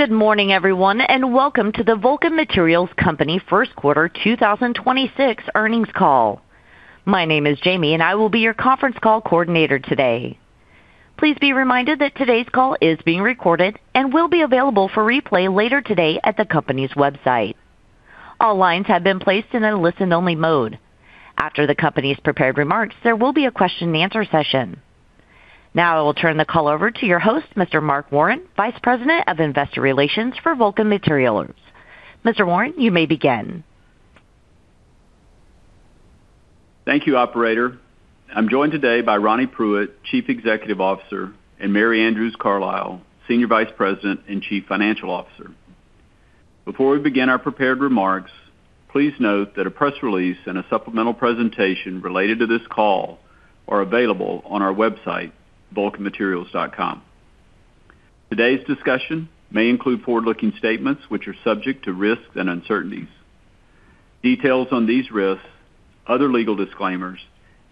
Good morning, everyone, and welcome to the Vulcan Materials Company first quarter 2026 earnings call. My name is Jamie and I will be your conference call coordinator today. Please be reminded that today's call is being recorded and will be available for replay later today at the company's website. All lines have been placed in a listen-only mode. After the company's prepared remarks, there will be a question-and-answer session. Now I will turn the call over to your host, Mr. Mark Warren, Vice President of Investor Relations for Vulcan Materials. Mr. Warren, you may begin. Thank you, operator. I'm joined today by Ronnie Pruitt, Chief Executive Officer, and Mary Andrews Carlisle, Senior Vice President and Chief Financial Officer. Before we begin our prepared remarks, please note that a press release and a supplemental presentation related to this call are available on our website, vulcanmaterials.com. Today's discussion may include forward-looking statements which are subject to risks and uncertainties. Details on these risks, other legal disclaimers,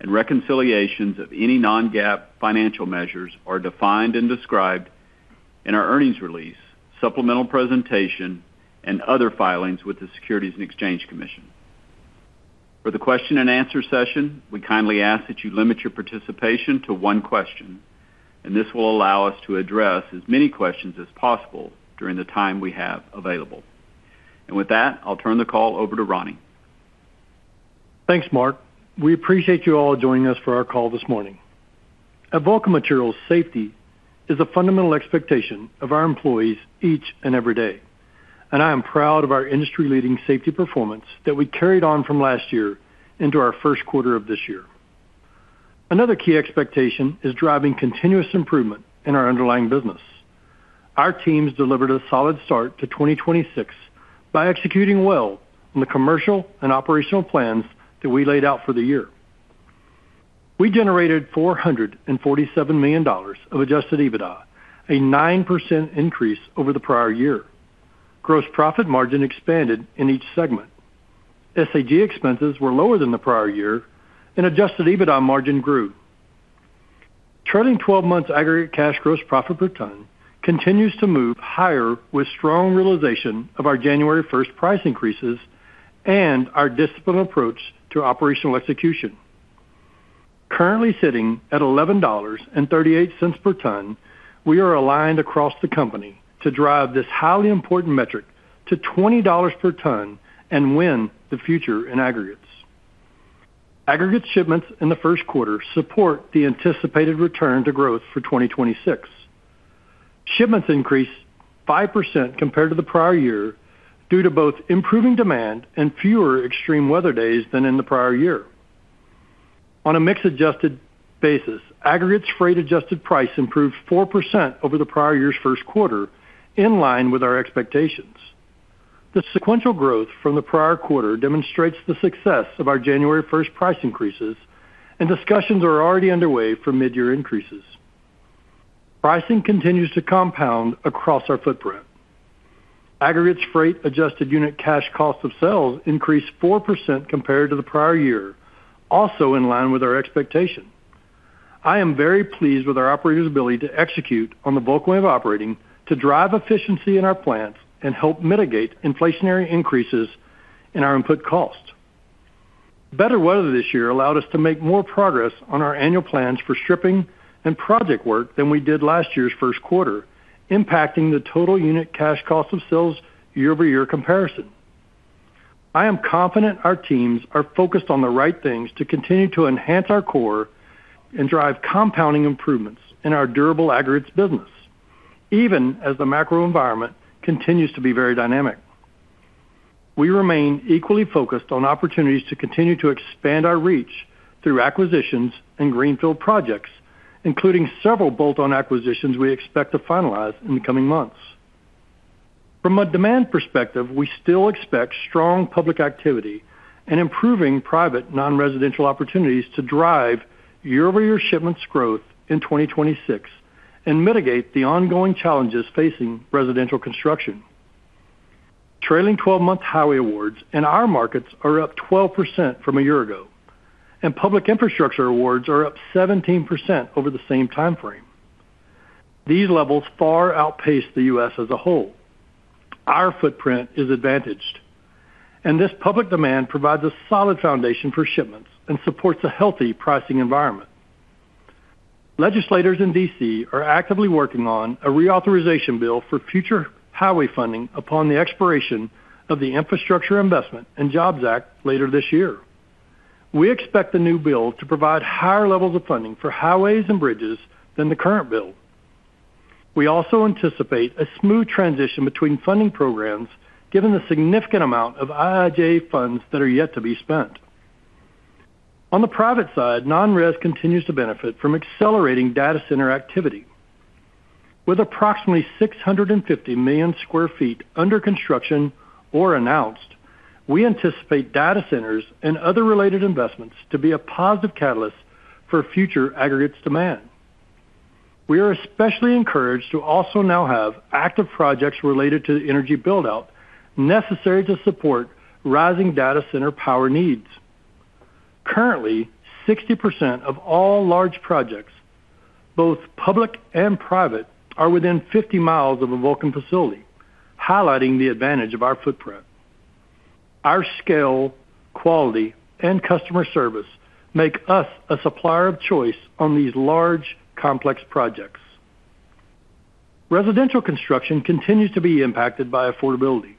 and reconciliations of any non-GAAP financial measures are defined and described in our earnings release, supplemental presentation, and other filings with the Securities and Exchange Commission. For the question-and-answer session, we kindly ask that you limit your participation to one question. This will allow us to address as many questions as possible during the time we have available. With that, I'll turn the call over to Ronnie. Thanks, Mark. We appreciate you all joining us for our call this morning. At Vulcan Materials, safety is a fundamental expectation of our employees each and every day, and I am proud of our industry-leading safety performance that we carried on from last year into our first quarter of this year. Another key expectation is driving continuous improvement in our underlying business. Our teams delivered a solid start to 2026 by executing well on the commercial and operational plans that we laid out for the year. We generated $447 million of adjusted EBITDA, a 9% increase over the prior year. Gross profit margin expanded in each segment. SAG expenses were lower than the prior year, and adjusted EBITDA margin grew. Trailing twelve months aggregate cash gross profit per ton continues to move higher with strong realization of our January first price increases and our disciplined approach to operational execution. Currently sitting at $11.38 per ton, we are aligned across the company to drive this highly important metric to $20 per ton and win the future in aggregates. Aggregate shipments in the first quarter support the anticipated return to growth for 2026. Shipments increased 5% compared to the prior year due to both improving demand and fewer extreme weather days than in the prior year. On a mix adjusted basis, aggregates freight adjusted price improved 4% over the prior year's first quarter, in line with our expectations. The sequential growth from the prior quarter demonstrates the success of our January first price increases and discussions are already underway for mid-year increases. Pricing continues to compound across our footprint. Aggregates freight adjusted unit cash cost of sales increased 4% compared to the prior year, also in line with our expectation. I am very pleased with our operators' ability to execute on the Vulcan Way of Operating to drive efficiency in our plants and help mitigate inflationary increases in our input costs. Better weather this year allowed us to make more progress on our annual plans for stripping and project work than we did last year's first quarter, impacting the total unit cash cost of sales year-over-year comparison. I am confident our teams are focused on the right things to continue to enhance our core and drive compounding improvements in our durable aggregates business, even as the macro environment continues to be very dynamic. We remain equally focused on opportunities to continue to expand our reach through acquisitions and greenfield projects, including several bolt-on acquisitions we expect to finalize in the coming months. From a demand perspective, we still expect strong public activity and improving private non-residential opportunities to drive year-over-year shipments growth in 2026 and mitigate the ongoing challenges facing residential construction. Trailing 12-month highway awards in our markets are up 12% from a year ago, and public infrastructure awards are up 17% over the same time frame. These levels far outpace the U.S. as a whole. Our footprint is advantaged, and this public demand provides a solid foundation for shipments and supports a healthy pricing environment. Legislators in D.C. are actively working on a reauthorization bill for future highway funding upon the expiration of the Infrastructure Investment and Jobs Act later this year. We expect the new bill to provide higher levels of funding for highways and bridges than the current bill. We also anticipate a smooth transition between funding programs given the significant amount of IIJA funds that are yet to be spent. On the private side, non-res continues to benefit from accelerating data center activity. With approximately 650 million square feet under construction or announced, we anticipate data centers and other related investments to be a positive catalyst for future aggregates demand. We are especially encouraged to also now have active projects related to the energy build-out necessary to support rising data center power needs. Currently, 60% of all large projects, both public and private, are within 50 miles of a Vulcan facility, highlighting the advantage of our footprint. Our scale, quality, and customer service make us a supplier of choice on these large, complex projects. Residential construction continues to be impacted by affordability.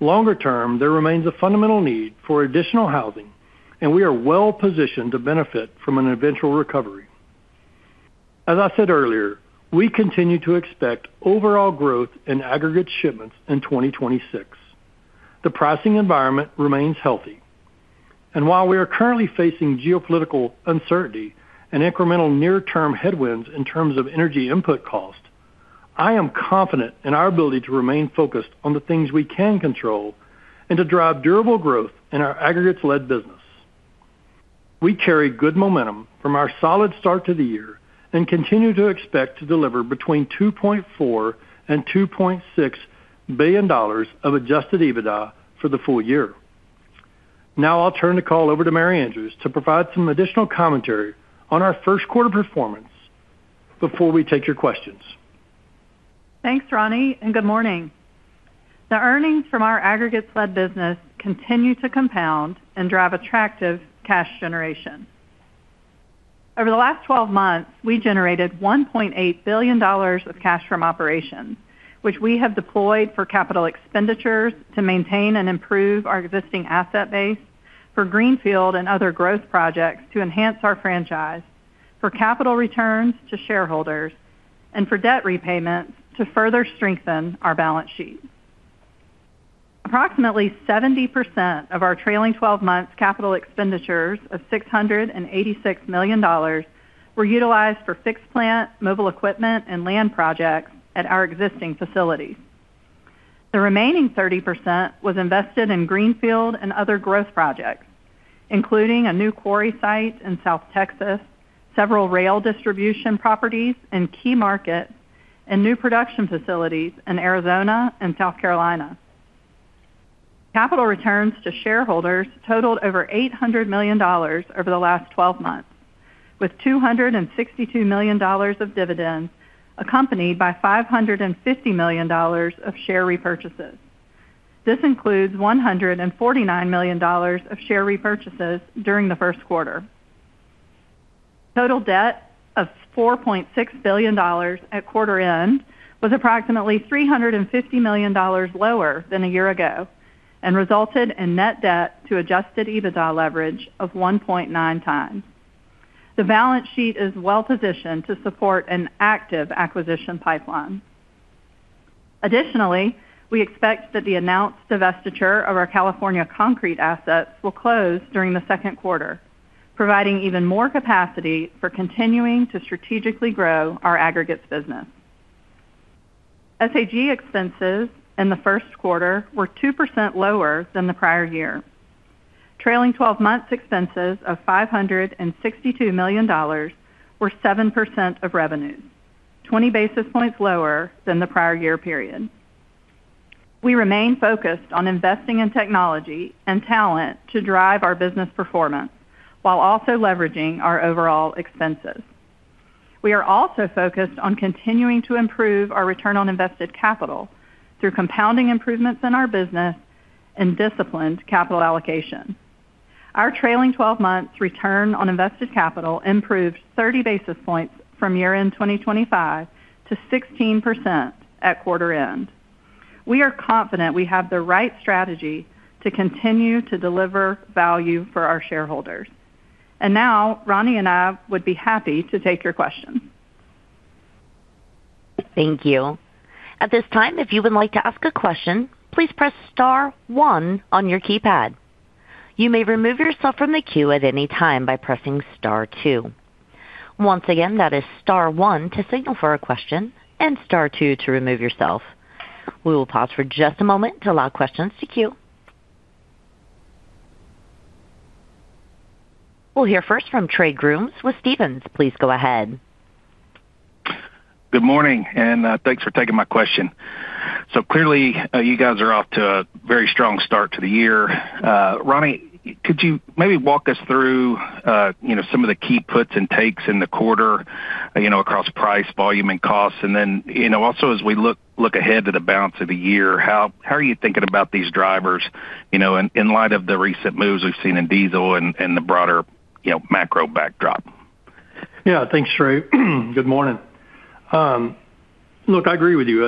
Longer term, there remains a fundamental need for additional housing, and we are well-positioned to benefit from an eventual recovery. As I said earlier, we continue to expect overall growth in aggregate shipments in 2026. The pricing environment remains healthy. While we are currently facing geopolitical uncertainty and incremental near-term headwinds in terms of energy input cost, I am confident in our ability to remain focused on the things we can control and to drive durable growth in our aggregates-led business. We carry good momentum from our solid start to the year and continue to expect to deliver between $2.4 billion and $2.6 billion of adjusted EBITDA for the full year. I'll turn the call over to Mary Andrews Carlisle to provide some additional commentary on our first quarter performance before we take your questions. Thanks, Ronnie, and good morning. The earnings from our aggregates-led business continue to compound and drive attractive cash generation. Over the last 12 months, we generated $1.8 billion of cash from operations, which we have deployed for capital expenditures to maintain and improve our existing asset base for greenfield and other growth projects to enhance our franchise, for capital returns to shareholders, and for debt repayments to further strengthen our balance sheet. Approximately 70% of our trailing 12 months capital expenditures of $686 million were utilized for fixed plant, mobile equipment, land projects at our existing facilities. The remaining 30% was invested in greenfield and other growth projects, including a new quarry site in South Texas, several rail distribution properties in key markets, and new production facilities in Arizona and South Carolina. Capital returns to shareholders totaled over $800 million over the last twelve months, with $262 million of dividends accompanied by $550 million of share repurchases. This includes $149 million of share repurchases during the first quarter. Total debt of $4.6 billion at quarter end was approximately $350 million lower than a year ago and resulted in net debt to adjusted EBITDA leverage of 1.9x. The balance sheet is well-positioned to support an active acquisition pipeline. Additionally, we expect that the announced divestiture of our California concrete assets will close during the second quarter, providing even more capacity for continuing to strategically grow our aggregates business. SAG expenses in the first quarter were 2% lower than the prior year. Trailing twelve months expenses of $562 million were 7% of revenues, 20 basis points lower than the prior year period. We remain focused on investing in technology and talent to drive our business performance while also leveraging our overall expenses. We are also focused on continuing to improve our return on invested capital through compounding improvements in our business and disciplined capital allocation. Our trailing twelve months return on invested capital improved 30 basis points from year-end 2025 to 16% at quarter end. We are confident we have the right strategy to continue to deliver value for our shareholders. Now, Ronnie and I would be happy to take your questions. Thank you. At this time, if you would like to ask a question, please press star one on your keypad. You may remove yourself from the queue at any time by pressing star two. Once again, that is star one to signal for a question and star two to remove yourself. We will pause for just a moment to allow questions to queue. We'll hear first from Trey Grooms with Stephens. Please go ahead. Good morning, and thanks for taking my question. Clearly, you guys are off to a very strong start to the year. Ronnie, could you maybe walk us through, you know, some of the key puts and takes in the quarter, you know, across price, volume, and costs? Also as we look ahead to the balance of the year, how are you thinking about these drivers, you know, in light of the recent moves we've seen in diesel and the broader, you know, macro backdrop? Thanks, Trey. Good morning. Look, I agree with you.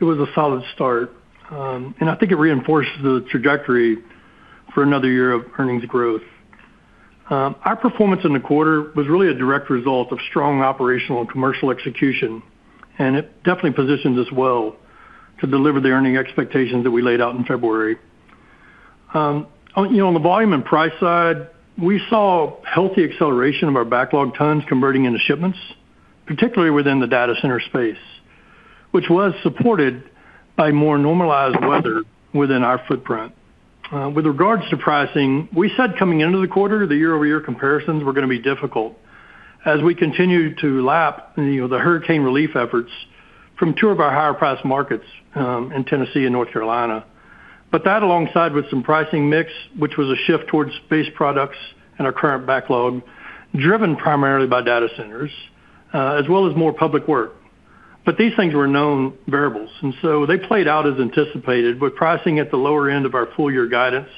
It was a solid start. I think it reinforces the trajectory for another year of earnings growth. Our performance in the quarter was really a direct result of strong operational and commercial execution, and it definitely positions us well to deliver the earning expectations that we laid out in February. On, you know, the volume and price side, we saw healthy acceleration of our backlog tons converting into shipments, particularly within the data center space, which was supported by more normalized weather within our footprint. With regards to pricing, we said coming into the quarter that the year-over-year comparisons were going to be difficult. As we continue to lap, you know, the hurricane relief efforts from two of our higher priced markets in Tennessee and North Carolina. That alongside with some pricing mix, which was a shift towards base products and our current backlog, driven primarily by data centers, as well as more public work. These things were known variables, they played out as anticipated with pricing at the lower end of our full year guidance.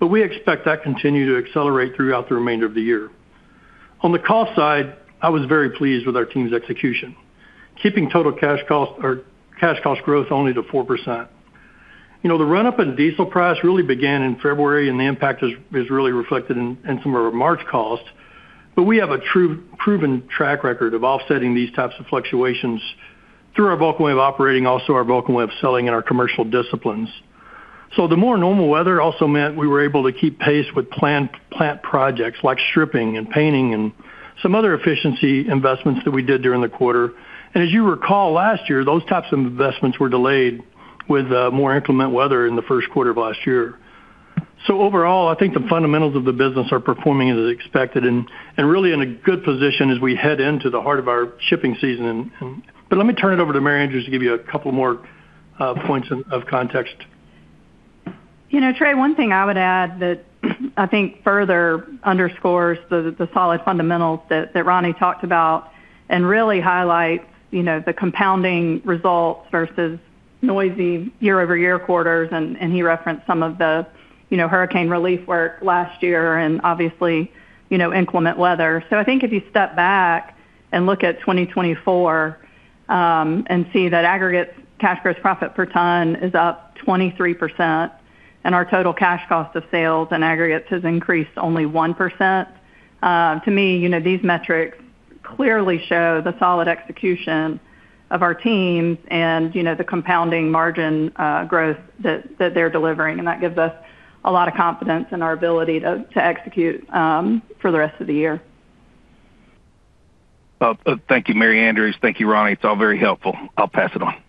We expect that continue to accelerate throughout the remainder of the year. On the cost side, I was very pleased with our team's execution, keeping total cash cost or cash cost growth only to 4%. You know, the run-up in diesel price really began in February, and the impact is really reflected in some of our March costs. We have a true-proven track record of offsetting these types of fluctuations through our Vulcan Way of Operating, also our Vulcan Way of Selling in our commercial disciplines. The more normal weather also meant we were able to keep pace with plant projects like stripping and painting and some other efficiency investments that we did during the quarter. As you recall, last year, those types of investments were delayed with more inclement weather in the first quarter of last year. Overall, I think the fundamentals of the business are performing as expected and really in a good position as we head into the heart of our shipping season. Let me turn it over to Mary Andrews to give you a couple more points of context. You know, Trey, one thing I would add that I think further underscores the solid fundamentals that Ronnie talked about and really highlights, you know, the compounding results versus noisy year-over-year quarters, and he referenced some of the, you know, hurricane relief work last year and obviously, you know, inclement weather. I think if you step back and look at 2024 and see that aggregates cash gross profit per ton is up 23% and our total cash cost of sales and aggregates has increased only 1%, to me, you know, these metrics clearly show the solid execution of our teams and, you know, the compounding margin growth that they're delivering. That gives us a lot of confidence in our ability to execute for the rest of the year. Thank you, Mary Andrews. Thank you, Ronnie. It's all very helpful. I'll pass it on.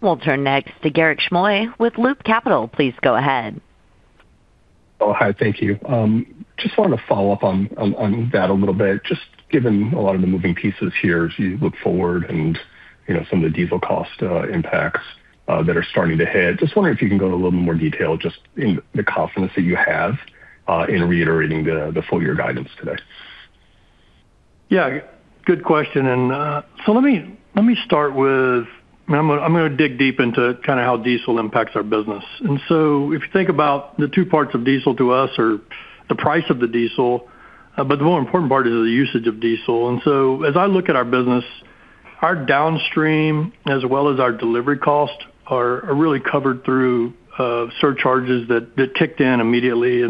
We'll turn next to Garik Shmois with Loop Capital. Please go ahead. Oh, hi. Thank you. Just wanted to follow up on that a little bit. Just given a lot of the moving pieces here as you look forward and, you know, some of the diesel cost impacts that are starting to hit. Just wondering if you can go into a little more detail just in the confidence that you have in reiterating the full year guidance today? Yeah, good question. Let me start with, I'm going to dig deep into kind of how diesel impacts our business. If you think about the two parts of diesel to us are the price of the diesel, but the more important part is the usage of diesel. As I look at our business, our downstream as well as our delivery cost are really covered through surcharges that kicked in immediately.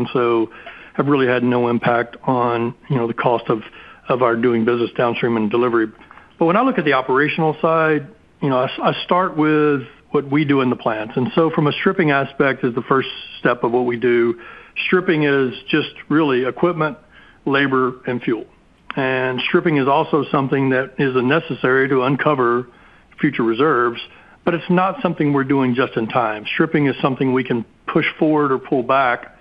Have really had no impact on, you know, the cost of our doing business downstream and delivery. When I look at the operational side, you know, I start with what we do in the plants. From a stripping aspect is the first step of what we do. Stripping is just really equipment, labor, and fuel. Stripping is also something that is necessary to uncover future reserves, but it's not something we're doing just in time. Stripping is something we can push forward or pull back,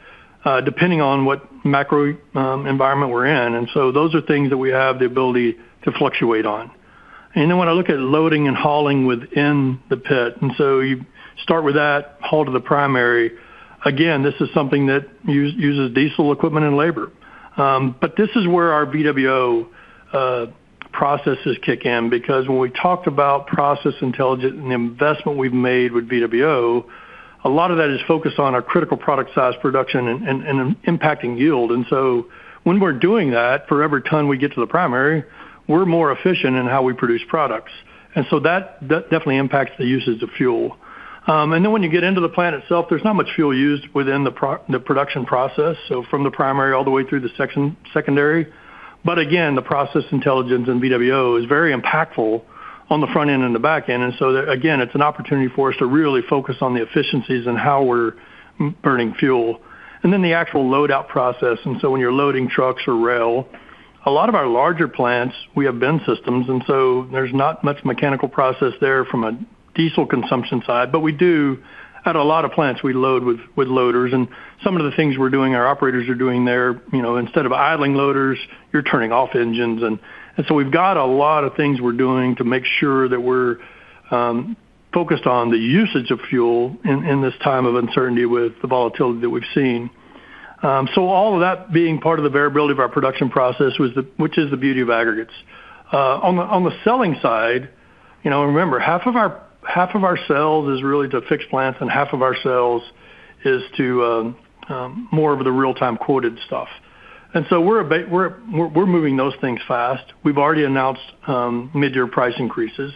depending on what macro environment we're in. Those are things that we have the ability to fluctuate on. When I look at loading and hauling within the pit, you start with that haul to the primary. Again, this is something that uses diesel equipment and labor. But this is where our VWO processes kick in because when we talked about process intelligence and the investment we've made with VWO, a lot of that is focused on our critical product size, production and impacting yield. When we're doing that, for every ton we get to the primary, we're more efficient in how we produce products. That definitely impacts the usage of fuel. When you get into the plant itself, there's not much fuel used within the production process, so from the primary all the way through the secondary. The process intelligence in VWO is very impactful on the front end and the back end. It's an opportunity for us to really focus on the efficiencies and how we're burning fuel. The actual load-out process, when you're loading trucks or rail, a lot of our larger plants, we have bin systems, there's not much mechanical process there from a diesel consumption side. We do, at a lot of plants, we load with loaders. Some of the things we're doing, our operators are doing there, you know, instead of idling loaders, you're turning off engines. We've got a lot of things we're doing to make sure that we're focused on the usage of fuel in this time of uncertainty with the volatility that we've seen. All of that being part of the variability of our production process which is the beauty of aggregates. On the selling side, you know, remember, half of our sales is really to fixed plants, and half of our sales is to more of the real-time quoted stuff. We're moving those things fast. We've already announced midyear price increases.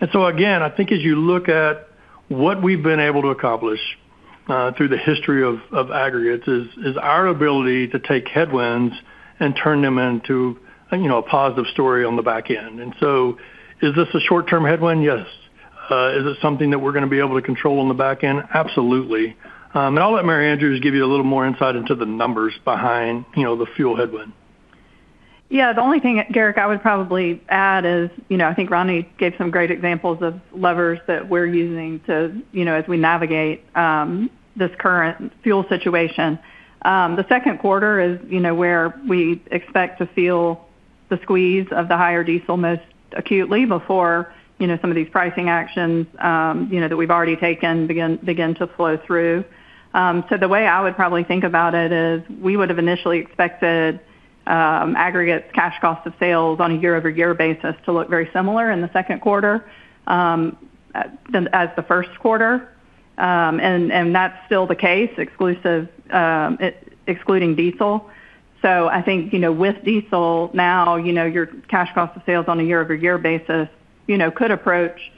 Again, I think as you look at what we've been able to accomplish, through the history of aggregates is our ability to take headwinds and turn them into, you know, a positive story on the back end. Is this a short-term headwind? Yes. Is it something that we're gonna be able to control on the back end? Absolutely. I'll let Mary Andrews give you a little more insight into the numbers behind, you know, the fuel headwind. Yeah, the only thing, Garik, I would probably add is, you know, I think Ronnie Pruitt gave some great examples of levers that we're using to, you know, as we navigate this current fuel situation. The second quarter is, you know, where we expect to feel the squeeze of the higher diesel most acutely before, you know, some of these pricing actions, you know, that we've already taken begin to flow through. The way I would probably think about it is we would have initially expected aggregate cash cost of sales on a year-over-year basis to look very similar in the second quarter than as the first quarter. That's still the case exclusive, excluding diesel. I think, you know, with diesel now, you know, your cash cost of sales on a year-over-year basis, you know, could approach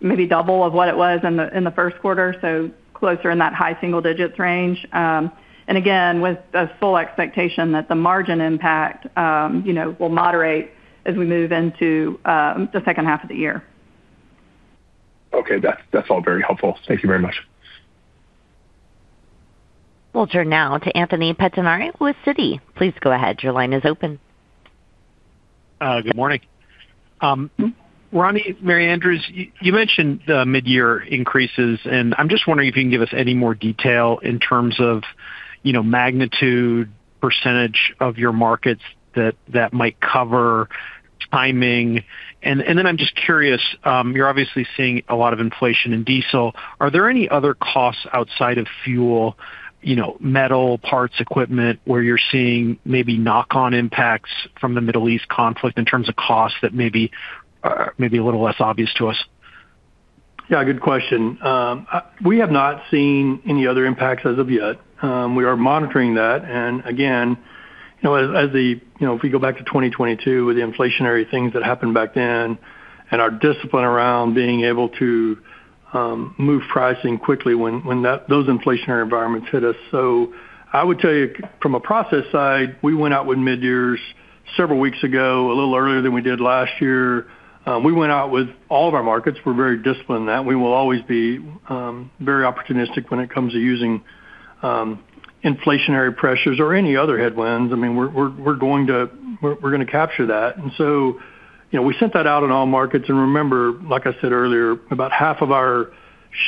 maybe double of what it was in the first quarter, so closer in that high single-digits range. Again, with a full expectation that the margin impact, you know, will moderate as we move into the second half of the year. Okay. That's all very helpful. Thank you very much. We'll turn now to Anthony Pettinari with Citi. Please go ahead. Your line is open. Good morning. Ronnie, Mary Andrews, you mentioned the midyear increases, and I'm just wondering if you can give us any more detail in terms of, you know, magnitude, percentage of your markets that might cover, timing. Then I'm just curious, you're obviously seeing a lot of inflation in diesel. Are there any other costs outside of fuel, you know, metal, parts, equipment, where you're seeing maybe knock-on impacts from the Middle East conflict in terms of costs that may be a little less obvious to us? Yeah, good question. We have not seen any other impacts as of yet. We are monitoring that. Again, you know, if we go back to 2022 with the inflationary things that happened back then and our discipline around being able to move pricing quickly when that, those inflationary environments hit us. I would tell you from a process side, we went out with midyears several weeks ago, a little earlier than we did last year. We went out with all of our markets. We're very disciplined in that. We will always be very opportunistic when it comes to using inflationary pressures or any other headwinds. I mean, we're gonna capture that. You know, we sent that out in all markets. Remember, like I said earlier, about half of our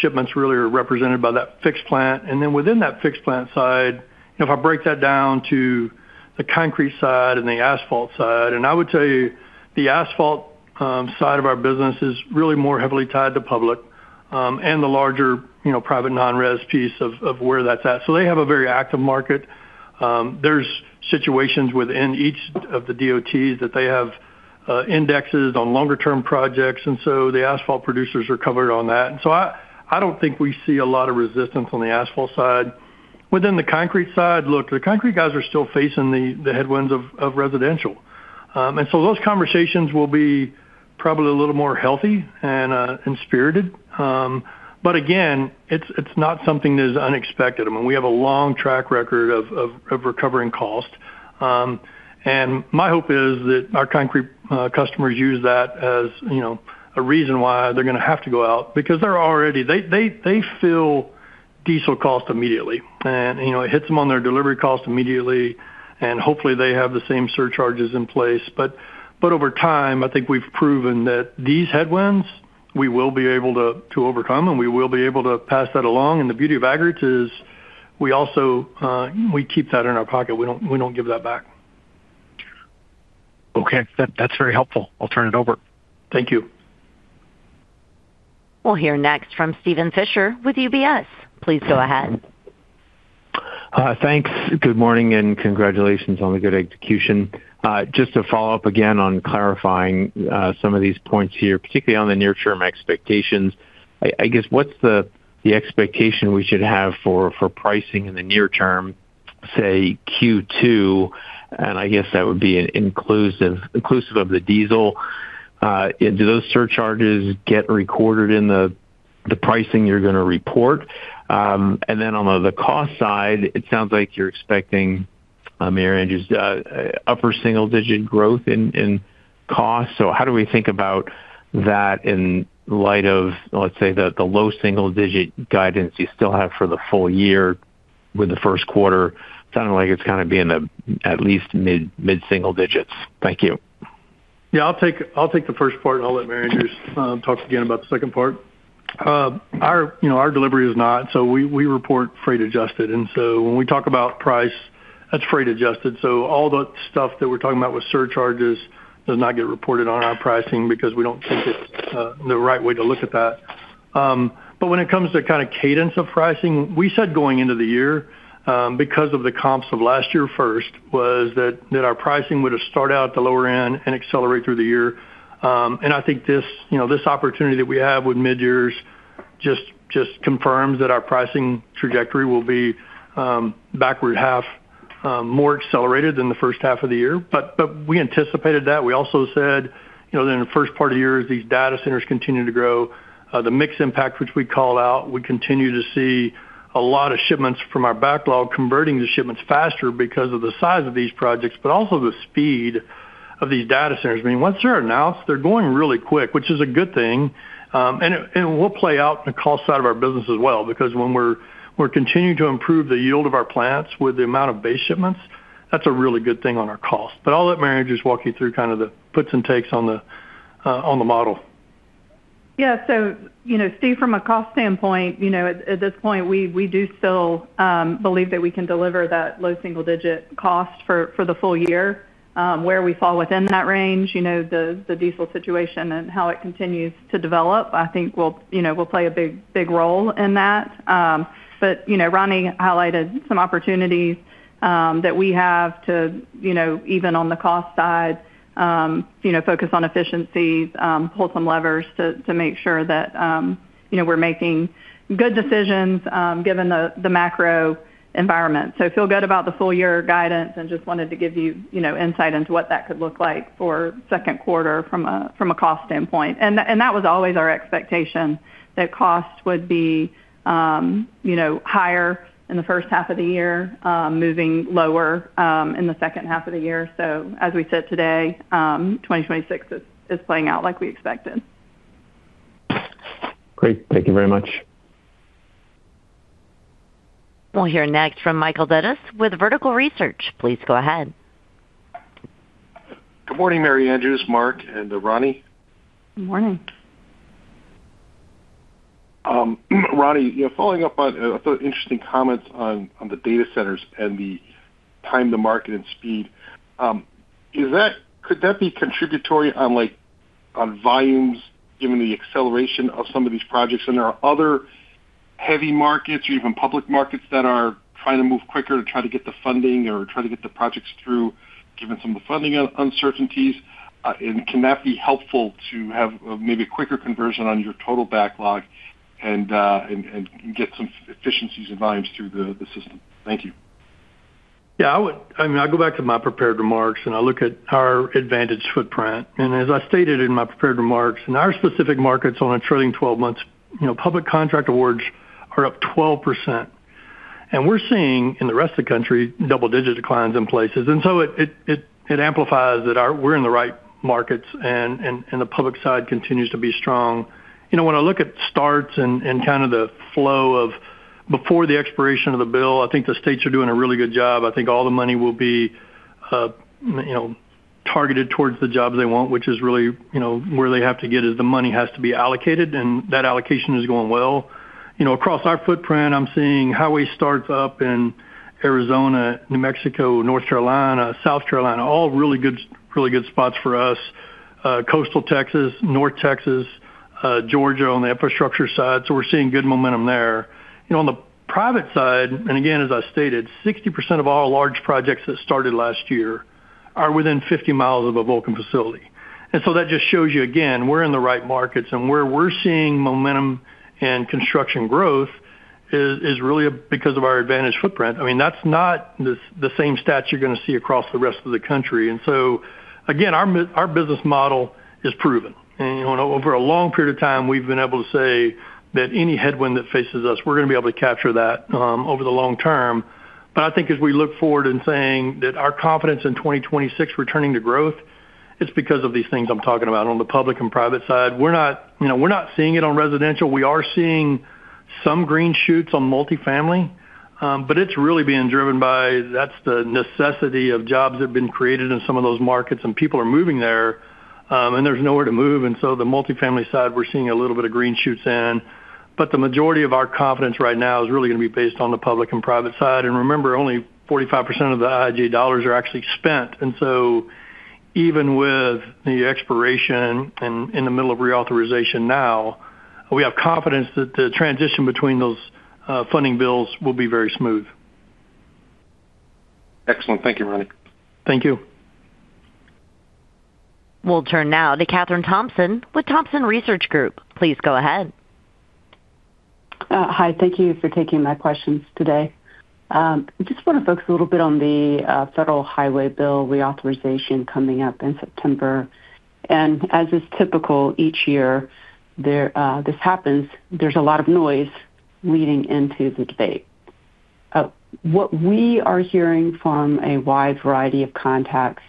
shipments really are represented by that fixed plant. Within that fixed plant side, if I break that down to the concrete side and the asphalt side, I would tell you the asphalt side of our business is really more heavily tied to public and the larger private non-res piece of where that's at. They have a very active market. There's situations within each of the DOTs that they have indexes on longer term projects, the asphalt producers are covered on that. I don't think we see a lot of resistance on the asphalt side. Within the concrete side, look, the concrete guys are still facing the headwinds of residential. So those conversations will be probably a little more healthy and spirited. Again, it's not something that is unexpected. I mean, we have a long track record of recovering cost. My hope is that our concrete customers use that as, you know, a reason why they're going to have to go out because they're already. They feel diesel cost immediately. You know, it hits them on their delivery cost immediately, and hopefully they have the same surcharges in place. Over time, I think we've proven that these headwinds, we will be able to overcome, and we will be able to pass that along. The beauty of aggregates is we also keep that in our pocket. We don't give that back. Okay. That's very helpful. I'll turn it over. Thank you. We'll hear next from Steven Fisher with UBS. Please go ahead. Thanks. Good morning and congratulations on the good execution. Just to follow up again on clarifying some of these points here, particularly on the near-term expectations. I guess, what's the expectation we should have for pricing in the near-term, say Q2, and I guess that would be inclusive of the diesel. Do those surcharges get recorded in the pricing you're going to report? Then on the cost side, it sounds like you're expecting Mary Andrews upper single-digit growth in cost. How do we think about that in light of, let's say, the low single-digit guidance you still have for the full-year with the first quarter sounding like it's being at least mid single-digits? Thank you. I'll take the first part, and I'll let Mary Andrews Carlisle talk again about the second part. Our, you know, our delivery is not. We report freight adjusted. When we talk about price, that's freight adjusted. All the stuff that we're talking about with surcharges does not get reported on our pricing because we don't think it's the right way to look at that. When it comes to kind of cadence of pricing, we said going into the year, because of the comps of last year first, was that our pricing would have start out at the lower end and accelerate through the year. I think this, you know, this opportunity that we have with midyears just confirms that our pricing trajectory will be backward half more accelerated than the first half of the year. We anticipated that. We also said, you know, that in the first part of the year, as these data centers continue to grow, the mix impact, which we called out, we continue to see a lot of shipments from our backlog converting to shipments faster because of the size of these projects, but also the speed of these data centers. I mean, once they're announced, they're going really quick, which is a good thing. It will play out in the cost side of our business as well because when we're continuing to improve the yield of our plants with the amount of base shipments, that's a really good thing on our cost. I'll let Mary Andrews walk you through kind of the puts and takes on the, on the model. Yeah. you know, Steve, from a cost standpoint, you know, at this point, we do still believe that we can deliver that low single-digit cost for the full year. Where we fall within that range, you know, the diesel situation and how it continues to develop, I think will, you know, will play a big role in that. But, you know, Ronnie highlighted some opportunities that we have to, you know, even on the cost side, you know, focus on efficiencies, pull some levers to make sure that, you know, we're making good decisions given the macro environment. Feel good about the full year guidance and just wanted to give you know, insight into what that could look like for second quarter from a cost standpoint. That was always our expectation, that cost would be, you know, higher in the first half of the year, moving lower in the second half of the year. As we said today, 2026 is playing out like we expected. Great. Thank you very much. We'll hear next from Michael Dudas with Vertical Research. Please go ahead. Good morning, Mary Andrews, Mark, and Ronnie. Good morning. Ronnie, following up on, I thought interesting comments on the data centers and the time to market and speed. Could that be contributory on, like, on volumes given the acceleration of some of these projects? Are other heavy markets or even public markets that are trying to move quicker to try to get the funding or try to get the projects through, given some of the funding uncertainties? Can that be helpful to have, maybe a quicker conversion on your total backlog and get some efficiencies and volumes through the system? Thank you. Yeah. I mean, I go back to my prepared remarks, and I look at our advantage footprint. As I stated in my prepared remarks, in our specific markets on a trailing 12 months, you know, public contract awards are up 12%. We're seeing, in the rest of the country, double-digit declines in places. It amplifies that we're in the right markets and the public side continues to be strong. You know, when I look at starts and kind of the flow of before the expiration of the bill, I think the states are doing a really good job. I think all the money will be, you know, targeted towards the jobs they want, which is really, you know, where they have to get is the money has to be allocated, and that allocation is going well. You know, across our footprint, I'm seeing highway starts up in Arizona, New Mexico, North Carolina, South Carolina, all really good, really good spots for us. Coastal Texas, North Texas, Georgia on the infrastructure side, we're seeing good momentum there. You know, on the private side, again, as I stated, 60% of all large projects that started last year are within 50 miles of a Vulcan facility. That just shows you, again, we're in the right markets, where we're seeing momentum and construction growth is really because of our advantage footprint. I mean, that's not the same stats you're gonna see across the rest of the country. Again, our business model is proven. You know, over a long period of time, we've been able to say that any headwind that faces us, we're gonna be able to capture that over the long term. I think as we look forward in saying that our confidence in 2026 returning to growth is because of these things I'm talking about on the public and private side. We're not, you know, we're not seeing it on residential. We are seeing some green shoots on multifamily, but it's really being driven by that's the necessity of jobs that have been created in some of those markets, and people are moving there, and there's nowhere to move. The multifamily side, we're seeing a little bit of green shoots in, but the majority of our confidence right now is really gonna be based on the public and private side. Remember, only 45% of the IIJA dollars are actually spent. Even with the expiration and in the middle of reauthorization now, we have confidence that the transition between those funding bills will be very smooth. Excellent. Thank you, Ronnie. Thank you. We'll turn now to Kathryn Thompson with Thompson Research Group. Please go ahead. Hi. Thank you for taking my questions today. I just wanna focus a little bit on the Federal Highway Bill reauthorization coming up in September. As is typical each year there this happens, there's a lot of noise leading into the debate. What we are hearing from a wide variety of contacts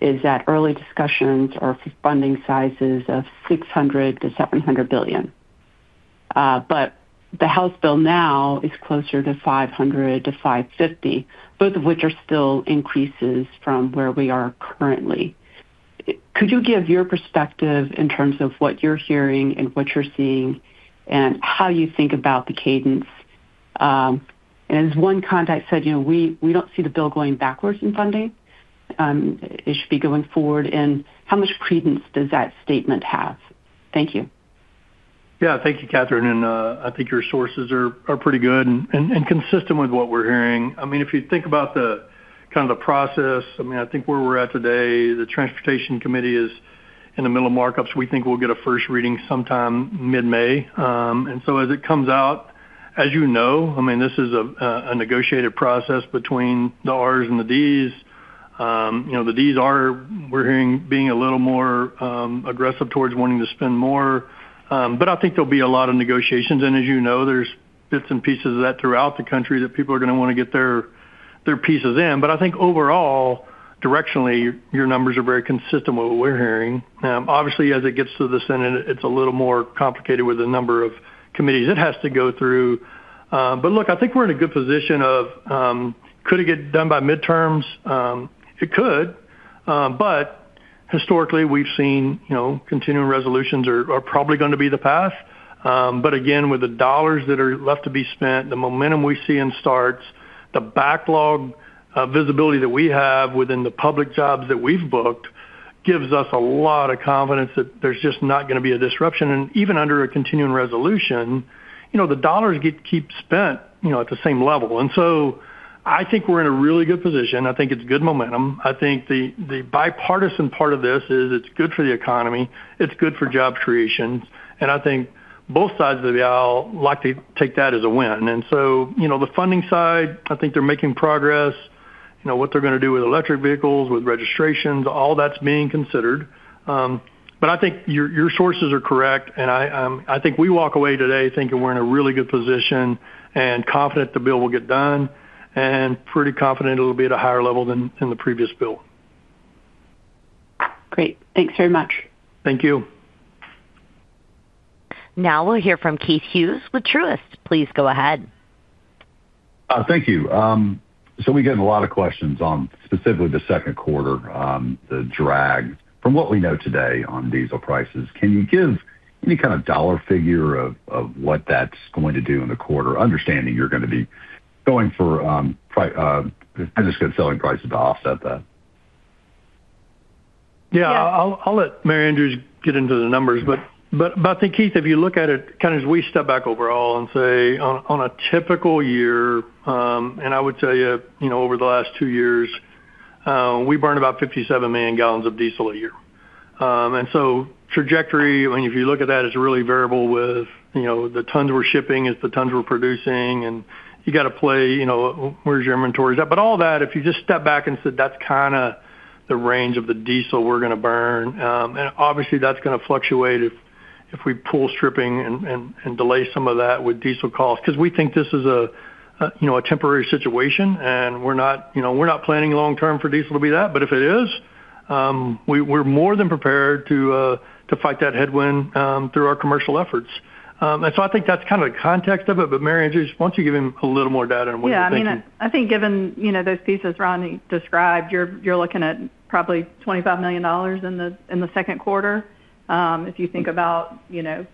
is that early discussions are funding sizes of $600 billion-$700 billion. The House bill now is closer to $500 billion-$550 billion, both of which are still increases from where we are currently. Could you give your perspective in terms of what you're hearing and what you're seeing and how you think about the cadence? As one contact said, you know, we don't see the bill going backwards in funding. It should be going forward, and how much credence does that statement have? Thank you. Thank you, Kathryn, I think your sources are pretty good and consistent with what we're hearing. I mean, if you think about the kind of the process, I mean, I think where we're at today, the Transportation Committee is in the middle of markups. We think we'll get a first reading sometime mid-May. As it comes out, as you know, I mean, this is a negotiated process between the Rs and the Ds. You know, the Ds are, we're hearing, being a little more aggressive towards wanting to spend more. I think there'll be a lot of negotiations. As you know, there's bits and pieces of that throughout the country that people are gonna wanna get their pieces in. I think overall, directionally, your numbers are very consistent with what we're hearing. Obviously, as it gets to the Senate, it's a little more complicated with the number of committees it has to go through. Look, I think we're in a good position of, could it get done by midterms? It could. Historically, we've seen, you know, continuing resolutions are probably gonna be the path. Again, with the dollars that are left to be spent, the momentum we see in starts, the backlog, visibility that we have within the public jobs that we've booked gives us a lot of confidence that there's just not gonna be a disruption. Even under a continuing resolution, you know, the dollars keep spent, you know, at the same level. I think we're in a really good position. I think it's good momentum. I think the bipartisan part of this is it's good for the economy, it's good for job creation, and I think both sides of the aisle like to take that as a win. So, you know, the funding side, I think they're making progress. You know, what they're gonna do with electric vehicles, with registrations, all that's being considered. I think your sources are correct, and I think we walk away today thinking we're in a really good position and confident the bill will get done, and pretty confident it'll be at a higher level than in the previous bill. Great. Thanks very much. Thank you. Now we'll hear from Keith Hughes with Truist. Please go ahead. Thank you. We get a lot of questions on specifically the second quarter, the drag from what we know today on diesel prices. Can you give any kind of dollar figure of what that's going to do in the quarter, understanding you're gonna be going for, I guess, good selling prices to offset that? Yeah. Yeah. I'll let Mary Andrews get into the numbers. I think, Keith, if you look at it kind of as we step back overall and say on a typical year, I would tell you know, over the last two years, we burn about 57 million gallons of diesel a year. Trajectory, I mean, if you look at that, is really variable with, you know, the tons we're shipping as the tons we're producing. You gotta play, you know, where's your inventories at. All that, if you just step back and said that's kinda the range of the diesel we're gonna burn, obviously, that's gonna fluctuate if we pull stripping and delay some of that with diesel costs. 'Cause we think this is a, you know, a temporary situation, and we're not, you know, we're not planning long term for diesel to be that. If it is, we're more than prepared to fight that headwind through our commercial efforts. I think that's kind of the context of it. Mary Andrews, why don't you give him a little more data on what you're thinking? Yeah. I mean, I think given, you know, those pieces Ronnie described, you're looking at probably $25 million in the second quarter. If you think about, you know,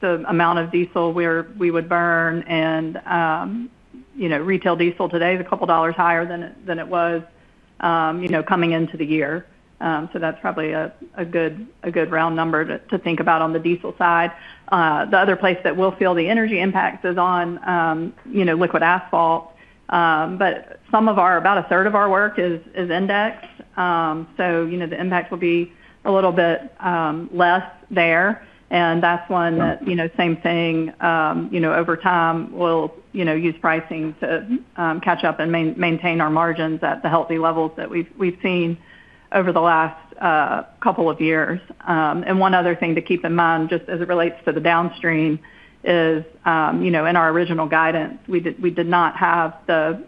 the amount of diesel we would burn and, you know, retail diesel today is a couple dollars higher than it, than it was, you know, coming into the year. That's probably a good round number to think about on the diesel side. The other place that we'll feel the energy impacts is on, you know, liquid asphalt. About a third of our work is indexed. You know, the impact will be a little bit less there. Yeah you know, same thing. You know, over time we'll, you know, use pricing to catch up and maintain our margins at the healthy levels that we've seen over the last couple of years. And one other thing to keep in mind, just as it relates to the downstream, is, you know, in our original guidance, we did not have the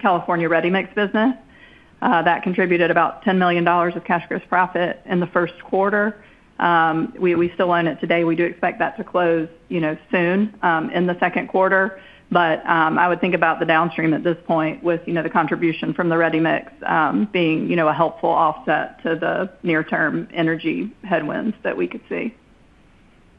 California ready-mix business. That contributed about $10 million of cash gross profit in the first quarter. We still own it today. We do expect that to close, you know, soon, in the second quarter. I would think about the downstream at this point with, you know, the contribution from the ready mix, being, you know, a helpful offset to the near-term energy headwinds that we could see.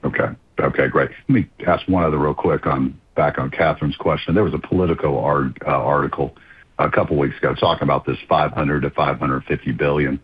Okay. Okay, great. Let me ask one other real quick on back on Kathryn's question. There was a political article a couple weeks ago talking about this $500 billion-$550 billion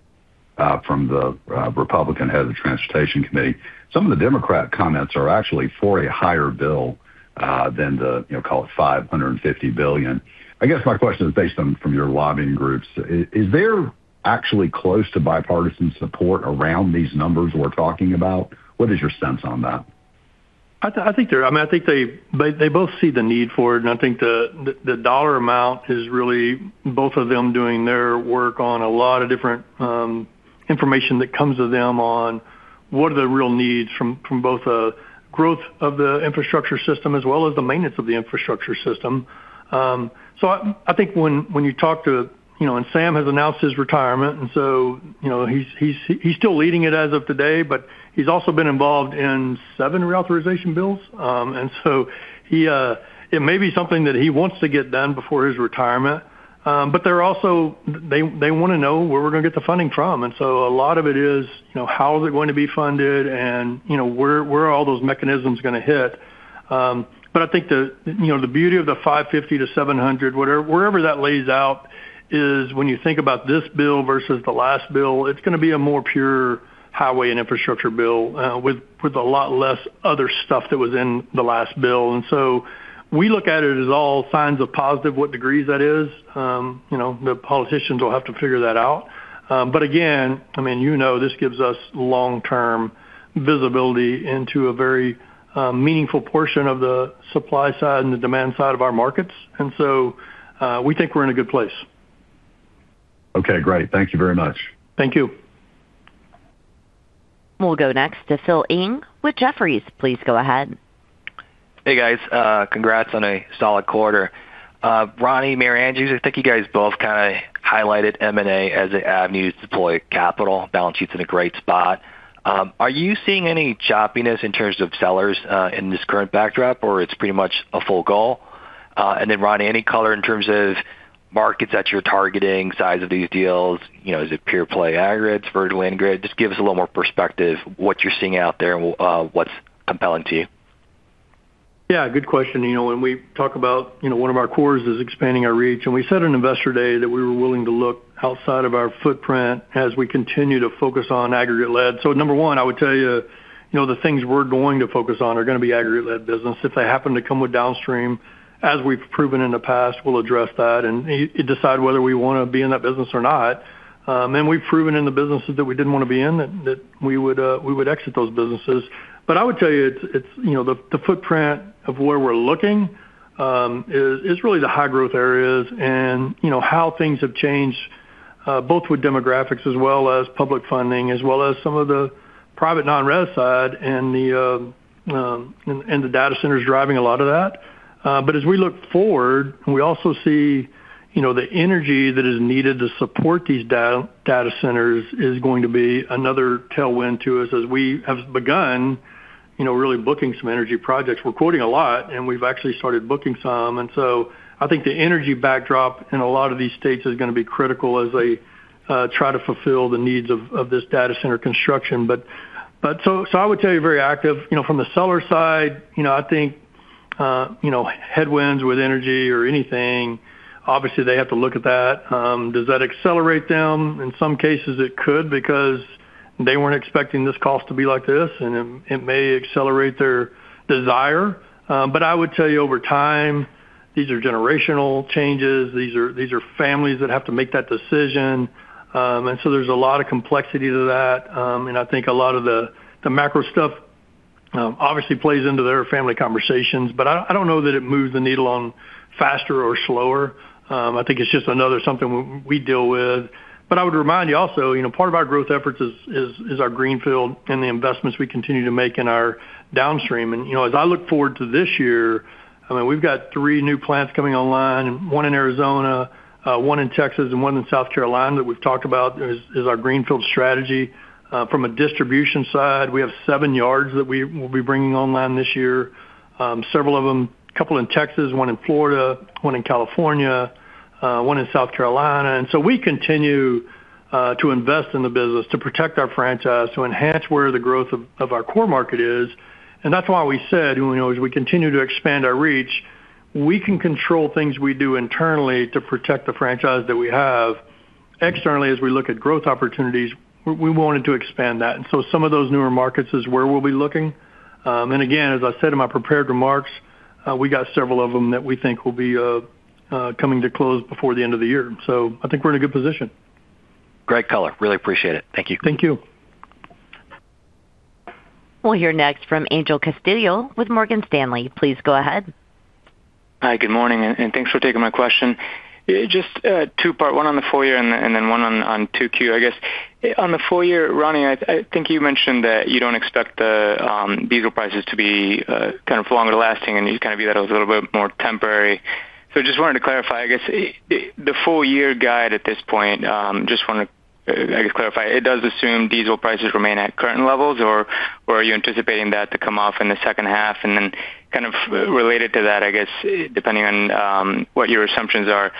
from the Republican Head of the Transportation Committee. Some of the Democrat comments are actually for a higher bill than the, you know, call it $550 billion. I guess my question is based on from your lobbying groups. Is there actually close to bipartisan support around these numbers we're talking about? What is your sense on that? I mean, I think they both see the need for it. I think the dollar amount is really both of them doing their work on a lot of different information that comes to them on what are the real needs from both a growth of the infrastructure system as well as the maintenance of the infrastructure system. I think when you talk to, you know, Sam has announced his retirement. You know, he's still leading it as of today, but he's also been involved in seven reauthorization bills. He, it may be something that he wants to get done before his retirement. They also wanna know where we're gonna get the funding from. A lot of it is, you know, how is it going to be funded, and, you know, where are all those mechanisms going to hit. I think the, you know, the beauty of the 550-700, wherever that lays out is when you think about this bill versus the last bill, it's going to be a more pure highway and infrastructure bill, with a lot less other stuff that was in the last bill. We look at it as all signs of positive what degrees that is. You know, the politicians will have to figure that out. Again, I mean, you know this gives us long-term visibility into a very meaningful portion of the supply side and the demand side of our markets. We think we're in a good place. Okay, great. Thank you very much. Thank you. We'll go next to Philip Ng with Jefferies. Please go ahead. Hey, guys. Congrats on a solid quarter. Ronnie, Mary Andrews, I think you guys both kinda highlighted M&A as an avenue to deploy capital. Balance sheet's in a great spot. Are you seeing any choppiness in terms of sellers in this current backdrop, or it's pretty much a full goal? Ronnie, any color in terms of markets that you're targeting, size of these deals, you know, is it pure play aggregates, vertical integrated? Just give us a little more perspective what you're seeing out there and what's compelling to you. Yeah, good question. You know, when we talk about, you know, one of our cores is expanding our reach, and we said on Investor Day that we were willing to look outside of our footprint as we continue to focus on aggregate lead. Number one, I would tell you know, the things we're going to focus on are gonna be aggregate lead business. If they happen to come with downstream, as we've proven in the past, we'll address that and decide whether we wanna be in that business or not. We've proven in the businesses that we didn't wanna be in that we would exit those businesses. I would tell you it's You know, the footprint of where we're looking is really the high growth areas and, you know, how things have changed both with demographics as well as public funding, as well as some of the private non-res side and the data centers driving a lot of that. As we look forward, we also see, you know, the energy that is needed to support these data centers is going to be another tailwind to us as we have begun, you know, really booking some energy projects. We're quoting a lot, and we've actually started booking some. I think the energy backdrop in a lot of these states is gonna be critical as they try to fulfill the needs of this data center construction. I would tell you very active. You know, from the seller side, you know, I think, you know, headwinds with energy or anything, obviously, they have to look at that. Does that accelerate them? In some cases, it could because they weren't expecting this cost to be like this, and it may accelerate their desire. I would tell you over time, these are generational changes. These are families that have to make that decision. There's a lot of complexity to that. I think a lot of the macro stuff, obviously plays into their family conversations. I don't know that it moves the needle on faster or slower. I think it's just another something we deal with. I would remind you also, you know, part of our growth efforts is our greenfield and the investments we continue to make in our downstream. You know, as I look forward to this year, I mean, we've got three new plants coming online, one in Arizona, one in Texas, and one in South Carolina that we've talked about as our greenfield strategy. From a distribution side, we have seven yards that we will be bringing online this year. Several of them, a couple in Texas, one in Florida, one in California, one in South Carolina. We continue to invest in the business to protect our franchise, to enhance where the growth of our core market is. That's why we said, you know, as we continue to expand our reach, we can control things we do internally to protect the franchise that we have. Externally, as we look at growth opportunities, we wanted to expand that. Some of those newer markets is where we'll be looking. Again, as I said in my prepared remarks, we got several of them that we think will be coming to close before the end of the year. I think we're in a good position. Great color. Really appreciate it. Thank you. Thank you. We'll hear next from Angel Castillo with Morgan Stanley. Please go ahead. Hi, good morning, and thanks for taking my question. Just two-part, one on the full year and then one on 2Q. I guess on the full year, Ronnie, I think you mentioned that you don't expect the diesel prices to be kind of longer lasting, and you kind of view that as a little bit more temporary. Just wanted to clarify, I guess, the full year guide at this point, just want to, I guess clarify, it does assume diesel prices remain at current levels, or are you anticipating that to come off in the second half? Kind of related to that, I guess, depending on what your assumptions are,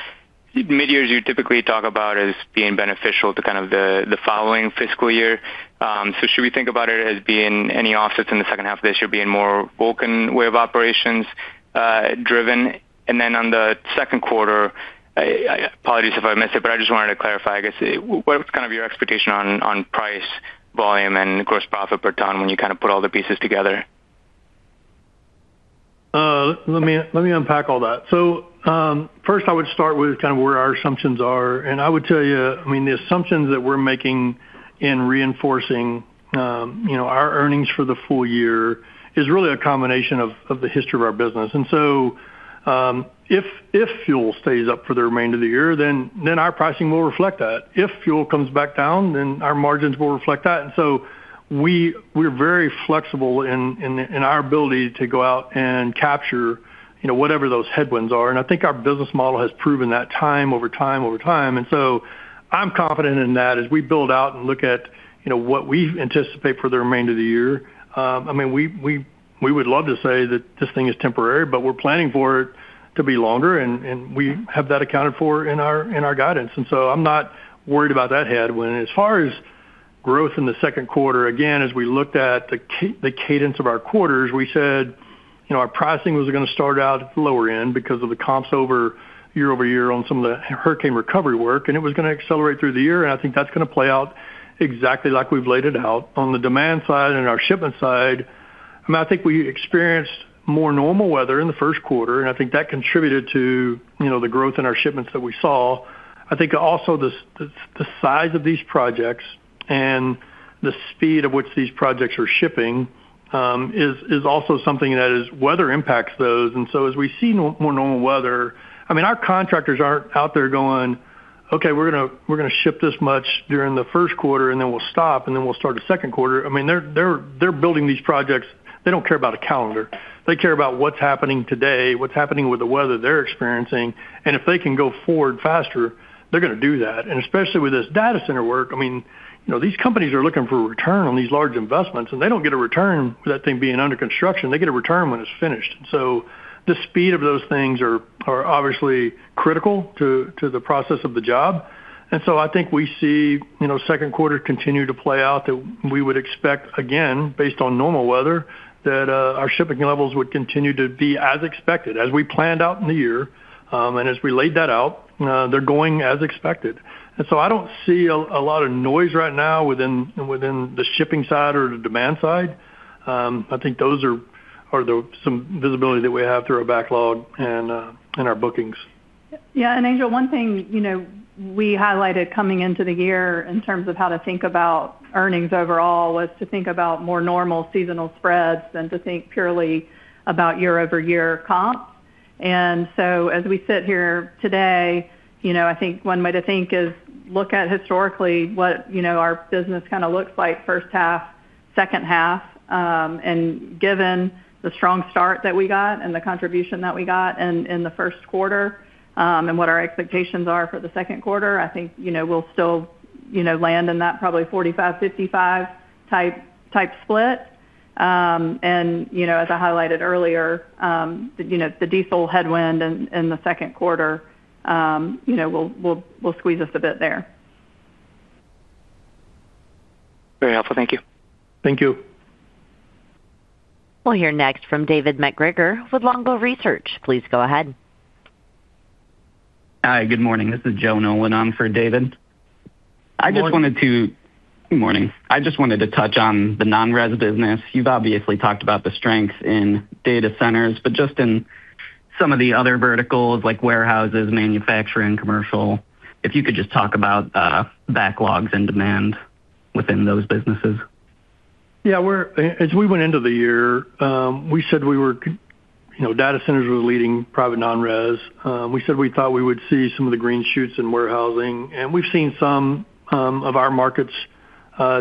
midyears you typically talk about as being beneficial to kind of the following fiscal year. Should we think about it as being any offsets in the second half of this year being more Vulcan Way of Operating driven? On the second quarter, apologies if I missed it, but I just wanted to clarify, I guess, what is kind of your expectation on price, volume, and gross profit per ton when you kind of put all the pieces together? Let me unpack all that. First I would start with kind of where our assumptions are. I would tell you, I mean, the assumptions that we're making in reinforcing, you know, our earnings for the full year is really a combination of the history of our business. If fuel stays up for the remainder of the year, then our pricing will reflect that. If fuel comes back down, then our margins will reflect that. We're very flexible in our ability to go out and capture, you know, whatever those headwinds are. I think our business model has proven that time over time over time. I'm confident in that as we build out and look at, you know, what we anticipate for the remainder of the year. I mean, we would love to say that this thing is temporary, but we're planning for it to be longer, and we have that accounted for in our, in our guidance. I'm not worried about that headwind. As far as growth in the second quarter, again, as we looked at the cadence of our quarters, we said, you know, our pricing was gonna start out at the lower end because of the comps over year-over-year on some of the hurricane recovery work, and it was gonna accelerate through the year. I think that's gonna play out exactly like we've laid it out. On the demand side and our shipment side, I mean, I think we experienced more normal weather in the first quarter, and I think that contributed to, you know, the growth in our shipments that we saw. I think also the size of these projects and the speed at which these projects are shipping is also something that is weather impacts those. As we see more normal weather, I mean, our contractors aren't out there going, "Okay, we're gonna ship this much during the first quarter, and then we'll stop, and then we'll start the second quarter." I mean, they're building these projects. They don't care about a calendar. They care about what's happening today, what's happening with the weather they're experiencing. If they can go forward faster, they're gonna do that. Especially with this data center work, I mean, you know, these companies are looking for return on these large investments, and they don't get a return with that thing being under construction. They get a return when it's finished. The speed of those things are obviously critical to the process of the job. I think we see, you know, second quarter continue to play out that we would expect, again, based on normal weather, that our shipping levels would continue to be as expected, as we planned out in the year, and as we laid that out, they're going as expected. I don't see a lot of noise right now within the shipping side or the demand side. I think those are some visibility that we have through our backlog and our bookings. Angel, one thing, you know, we highlighted coming into the year in terms of how to think about earnings overall was to think about more normal seasonal spreads than to think purely about year-over-year comp. As we sit here today, you know, I think one way to think is look at historically what, you know, our business kind of looks like first half, second half. Given the strong start that we got and the contribution that we got in the first quarter, what our expectations are for the second quarter, I think, you know, we'll still, you know, land in that probably 45, 55 type split. You know, as I highlighted earlier, you know, the diesel headwind in the second quarter, you know, will squeeze us a bit there. Very helpful. Thank you. Thank you. We'll hear next from David MacGregor with Longbow Research. Please go ahead. Hi, good morning. This is Joe Nolan on for David. Morning. Good morning. I just wanted to touch on the non-res business. You've obviously talked about the strength in data centers, but just in some of the other verticals like warehouses, manufacturing, commercial, if you could just talk about backlogs and demand within those businesses. Yeah, as we went into the year, we said we were, you know, data centers were leading private non-res. We said we thought we would see some of the green shoots in warehousing, and we've seen some of our markets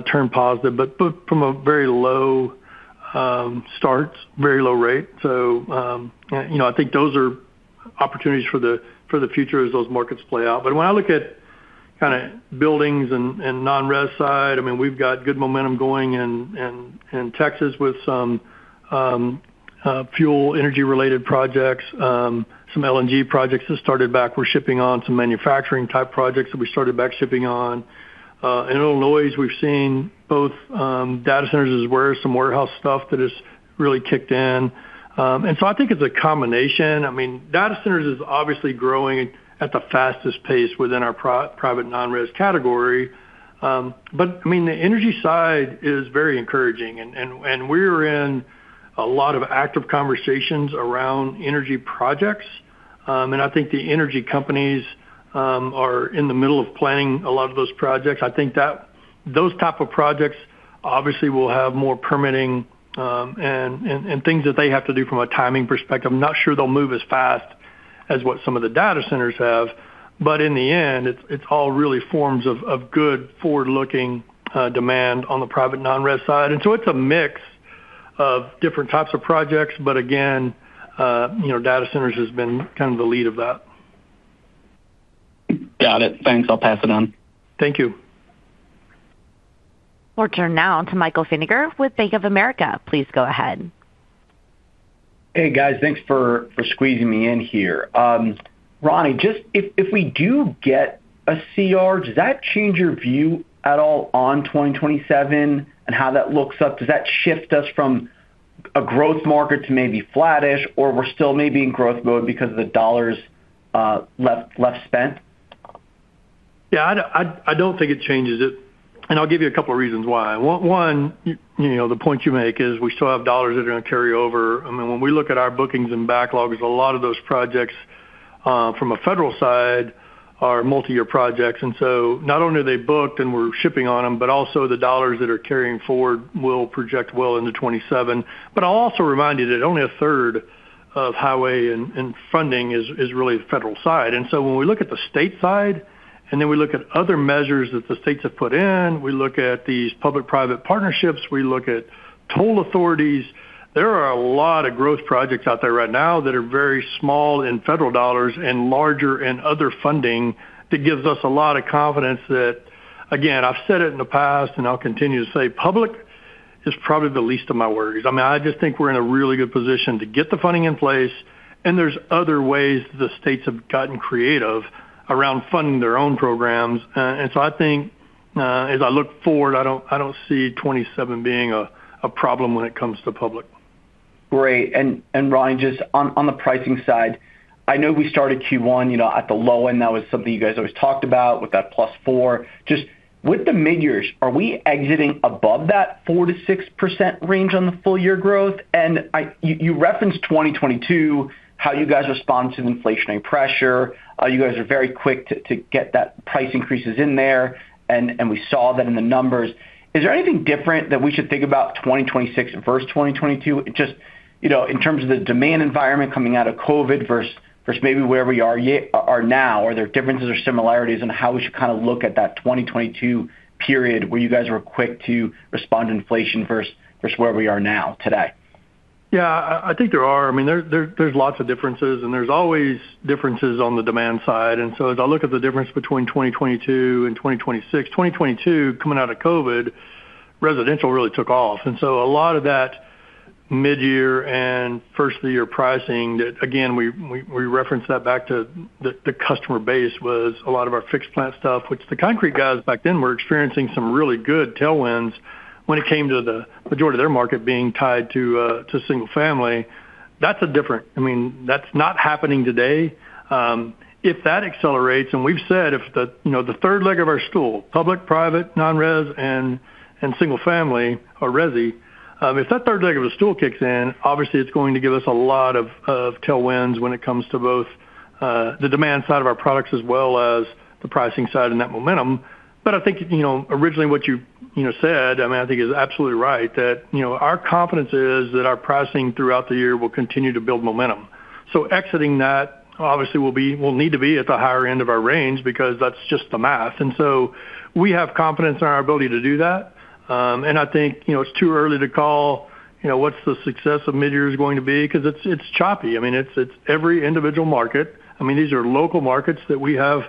turn positive, but from a very low start, very low rate. You know, I think those are opportunities for the future as those markets play out. When I look at kinda buildings and non-res side, I mean, we've got good momentum going in Texas with some fuel energy related projects, some LNG projects that started back. We're shipping on some manufacturing type projects that we started back shipping on. In Illinois, we've seen both data centers as were some warehouse stuff that has really kicked in. I think it's a combination. I mean, data centers is obviously growing at the fastest pace within our pro-private non-res category. I mean, the energy side is very encouraging and we're in a lot of active conversations around energy projects. I think the energy companies are in the middle of planning a lot of those projects. I think that those type of projects obviously will have more permitting and things that they have to do from a timing perspective. I'm not sure they'll move as fast as what some of the data centers have, but in the end it's all really forms of good forward-looking demand on the private non-res side. It's a mix of different types of projects, but again, you know, data centers has been kind of the lead of that. Got it. Thanks. I'll pass it on. Thank you. We'll turn now to Michael Feniger with Bank of America. Please go ahead. Hey, guys. Thanks for squeezing me in here. Ronnie, just if we do get a CR, does that change your view at all on 2027 and how that looks up? Does that shift us from a growth market to maybe flattish, or we're still maybe in growth mode because the dollar's less spent? Yeah, I don't think it changes it. I'll give you a couple of reasons why. One, you know, the point you make is we still have dollars that are gonna carry over. I mean, when we look at our bookings and backlogs, a lot of those projects from a federal side are multi-year projects. Not only are they booked and we're shipping on them, but also the dollars that are carrying forward will project well into 2027. I'll also remind you that only a third of highway and funding is really the federal side. When we look at the state side, and then we look at other measures that the states have put in, we look at these public-private partnerships, we look at toll authorities, there are a lot of growth projects out there right now that are very small in federal dollars and larger in other funding that gives us a lot of confidence that, again, I've said it in the past and I'll continue to say public is probably the least of my worries. I mean, I just think we're in a really good position to get the funding in place, and there's other ways the states have gotten creative around funding their own programs. I think, as I look forward, I don't, I don't see 2027 being a problem when it comes to public. Great. Ronnie, just on the pricing side, I know we started Q1, you know, at the low end. That was something you guys always talked about with that +4%. Just with the midyears, are we exiting above that 4%-6% range on the full year growth? You referenced 2022, how you guys respond to the inflationary pressure. You guys are very quick to get that price increases in there and we saw that in the numbers. Is there anything different that we should think about 2026 versus 2022? Just, you know, in terms of the demand environment coming out of COVID versus maybe where we are now. Are there differences or similarities in how we should kinda look at that 2022 period where you guys were quick to respond to inflation versus where we are now today? I think there are. I mean, there's lots of differences and there's always differences on the demand side. As I look at the difference between 2022 and 2026, 2022 coming out of COVID, residential really took off. A lot of that midyear and first of the year pricing that again, we referenced that back to the customer base was a lot of our fixed plant stuff, which the concrete guys back then were experiencing some really good tailwinds when it came to the majority of their market being tied to single family. I mean, that's not happening today. If that accelerates, and we've said if the, you know, the third leg of our stool, public, private, non-res, and single-family or resi, if that third leg of the stool kicks in, obviously it's going to give us a lot of tailwinds when it comes to both, the demand side of our products as well as the pricing side and net momentum. I think, you know, originally what you know, said, I mean, I think is absolutely right that, you know, our confidence is that our pricing throughout the year will continue to build momentum. So exiting that obviously will need to be at the higher end of our range because that's just the math. We have confidence in our ability to do that. I think, you know, it's too early to call, you know, what's the success of midyear is going to be because it's choppy. I mean, it's every individual market. I mean, these are local markets that we have,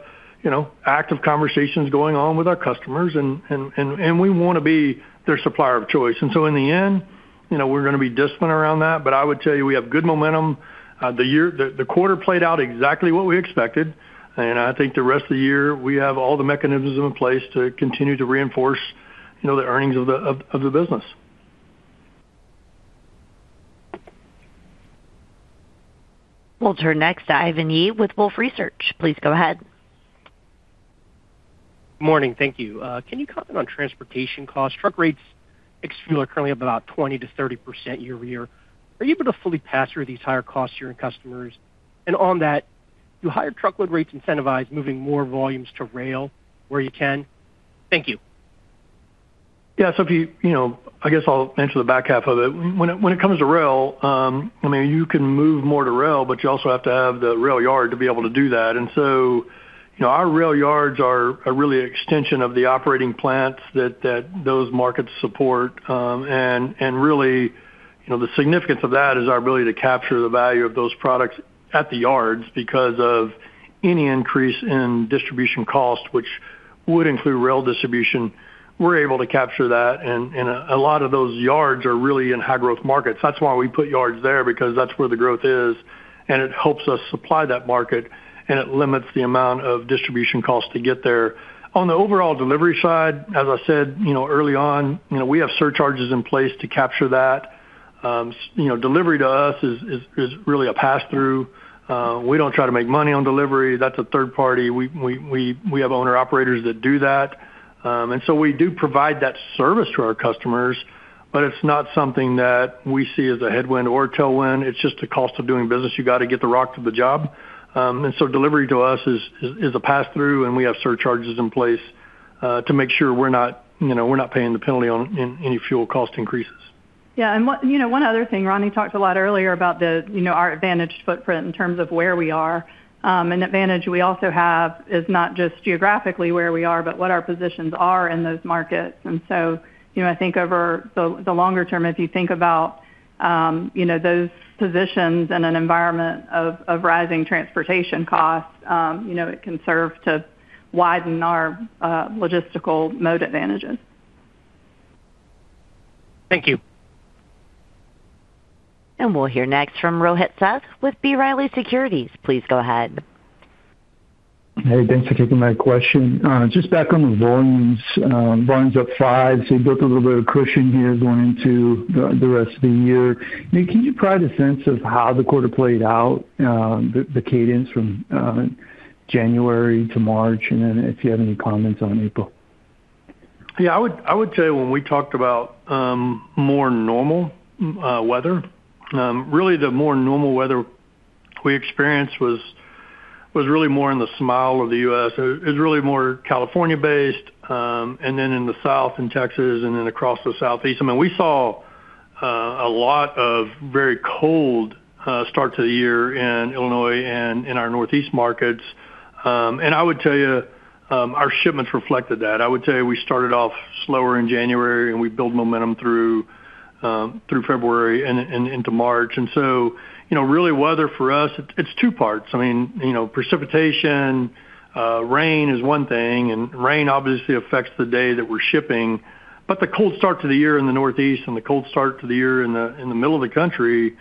you know, active conversations going on with our customers and we wanna be their supplier of choice. In the end, you know, we're gonna be disciplined around that. I would tell you, we have good momentum. The quarter played out exactly what we expected, and I think the rest of the year we have all the mechanisms in place to continue to reinforce, you know, the earnings of the business. We'll turn next to Ivan Yi with Wolfe Research. Please go ahead. Morning. Thank you. Can you comment on transportation costs? Truck rates ex fuel are currently up about 20%-30% year-over-year. Are you able to fully pass through these higher costs to your customers? On that, do higher truckload rates incentivize moving more volumes to rail where you can? Thank you. If you know, I guess I'll answer the back half of it. When it comes to rail, I mean, you can move more to rail, but you also have to have the rail yard to be able to do that. You know, our rail yards are really an extension of the operating plants that those markets support. Really, you know, the significance of that is our ability to capture the value of those products at the yards because of any increase in distribution cost, which would include rail distribution, we're able to capture that. A lot of those yards are really in high growth markets. That's why we put yards there, because that's where the growth is, and it helps us supply that market, and it limits the amount of distribution costs to get there. On the overall delivery side, as I said, you know, early on, you know, we have surcharges in place to capture that. You know, delivery to us is really a pass through. We don't try to make money on delivery. That's a third party. We have owner-operators that do that. We do provide that service to our customers, but it's not something that we see as a headwind or a tailwind. It's just a cost of doing business. You gotta get the rock to the job. Delivery to us is a pass through, and we have surcharges in place, to make sure we're not, you know, we're not paying the penalty on any fuel cost increases. Yeah. One, you know, one other thing, Ronnie talked a lot earlier about the, you know, our advantage footprint in terms of where we are. An advantage we also have is not just geographically where we are, but what our positions are in those markets. You know, I think over the longer term, if you think about, you know, those positions in an environment of rising transportation costs, you know, it can serve to widen our logistical mode advantages. Thank you. We'll hear next from Rohit Seth with B. Riley Securities. Please go ahead. Hey, thanks for taking my question. Just back on the volumes. Volumes up five, so you built a little bit of cushion here going into the rest of the year. Can you provide a sense of how the quarter played out, the cadence from January to March? If you have any comments on April? I would tell you when we talked about more normal weather, really the more normal weather we experienced was really more in the smile of the U.S. It was really more California based, and then in the South in Texas and then across the Southeast. I mean, we saw a lot of very cold start to the year in Illinois and in our Northeast markets. I would tell you, our shipments reflected that. I would tell you, we started off slower in January, and we built momentum through through February and into March. You know, really weather for us, it's two parts. I mean, you know, precipitation, rain is one thing, rain obviously affects the day that we're shipping. The cold start to the year in the Northeast and the cold start to the year in the middle of the country,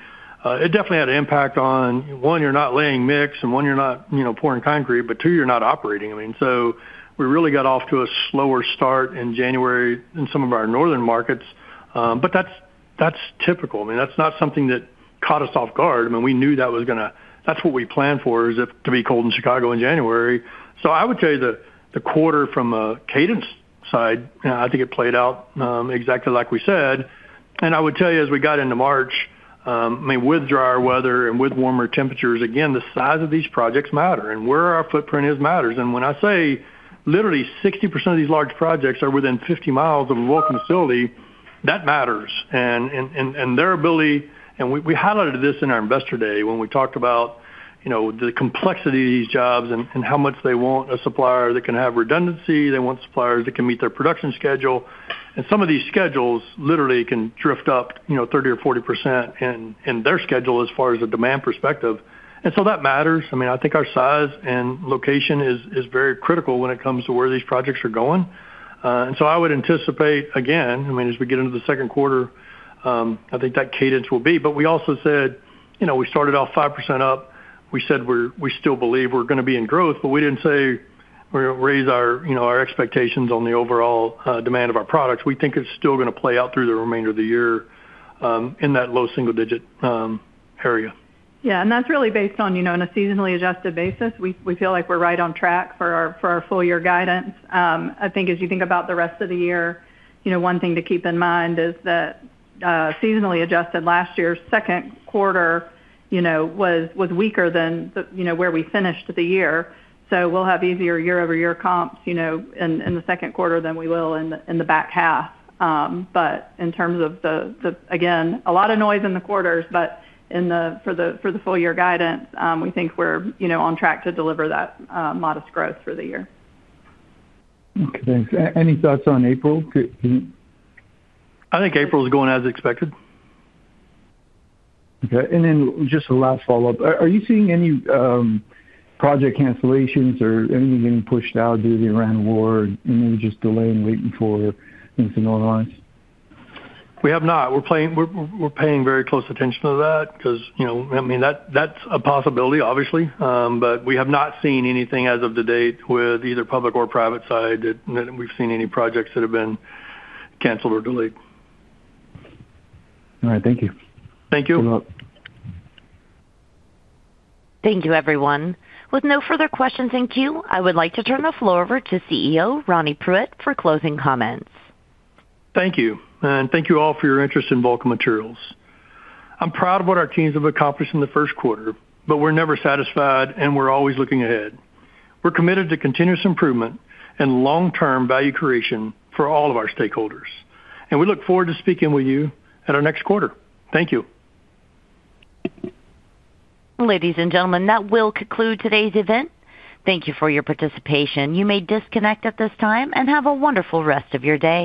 it definitely had an impact on, one, you're not laying mix, and one, you're not, you know, pouring concrete, but two, you're not operating. We really got off to a slower start in January in some of our northern markets. That's typical. I mean, that's not something that caught us off guard. I mean, we knew that's what we planned for, is it to be cold in Chicago in January. I would tell you the quarter from a cadence side, I think it played out exactly like we said. I would tell you, as we got into March, I mean, with drier weather and with warmer temperatures, again, the size of these projects matter and where our footprint is matters. When I say literally 60% of these large projects are within 50 miles of a Vulcan facility, that matters. We highlighted this in our Investor Day when we talked about, you know, the complexity of these jobs and how much they want a supplier that can have redundancy. They want suppliers that can meet their production schedule. Some of these schedules literally can drift up, you know, 30% or 40% in their schedule as far as the demand perspective. That matters. I mean, I think our size and location is very critical when it comes to where these projects are going. I would anticipate, again, I mean, as we get into the second quarter, I think that cadence will be. We also said, you know, we started off 5% up. We said we still believe we're gonna be in growth, but we didn't say we're gonna raise our, you know, our expectations on the overall demand of our products. We think it's still gonna play out through the remainder of the year, in that low single digit area. Yeah. That's really based on, you know, on a seasonally adjusted basis. We feel like we're right on track for our, for our full year guidance. I think as you think about the rest of the year, you know, one thing to keep in mind is that seasonally adjusted last year, second quarter, you know, was weaker than the, you know, where we finished the year. We'll have easier year-over-year comps, you know, in the second quarter than we will in the back half. In terms of the again, a lot of noise in the quarters, but for the full year guidance, we think we're, you know, on track to deliver that modest growth for the year. Okay, thanks. Any thoughts on April? Do you? I think April's going as expected. Okay. Just a last follow-up. Are you seeing any project cancellations or anything getting pushed out due to the Iran war, anything just delaying, waiting for things to normalize? We have not. We're paying very close attention to that because, you know, I mean, that's a possibility obviously. We have not seen anything as of the date with either public or private side that we've seen any projects that have been canceled or delayed. All right, thank you. Thank you. You're welcome. Thank you, everyone. With no further questions in queue, I would like to turn the floor over to CEO, Ronnie Pruitt, for closing comments. Thank you. Thank you all for your interest in Vulcan Materials. I'm proud of what our teams have accomplished in the first quarter, but we're never satisfied, and we're always looking ahead. We're committed to continuous improvement and long-term value creation for all of our stakeholders, and we look forward to speaking with you at our next quarter. Thank you. Ladies and gentlemen, that will conclude today's event. Thank you for your participation. You may disconnect at this time, and have a wonderful rest of your day.